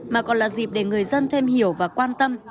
mà còn là dịp để người dân thêm hiểu và quan tâm